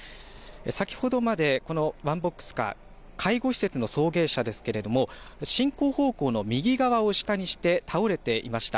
先ほどまでこのワンボックスカー、介護施設の送迎車ですけれども進行方向の右側を下にして倒れていました。